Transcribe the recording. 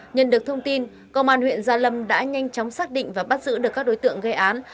nhận được thông tin công an huyện gia lâm đã nhanh chóng xác định và bắt giữ được các đối tượng gây án